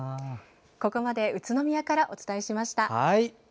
ここまで宇都宮からお伝えしました。